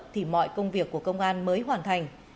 thì mọi công việc của công an mới hoàn thành